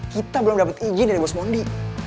kita belum dapat izin dari bos mondi